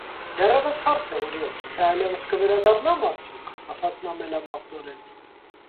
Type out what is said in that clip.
- Դեռևս հարց է, օրիորդ, թե այլևս կվերադառնա՞մ արդյոք,- ասաց նա մելամաղձորեն: